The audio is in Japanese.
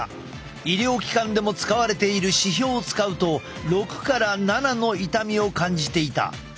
医療機関でも使われている指標を使うと６から７の痛みを感じていた。